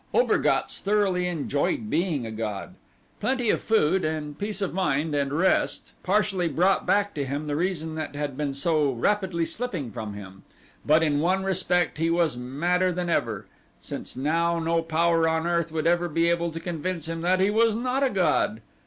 Obergatz thoroughly enjoyed being a god. Plenty of food and peace of mind and rest partially brought back to him the reason that had been so rapidly slipping from him; but in one respect he was madder than ever, since now no power on earth would ever be able to convince him that he was not a god.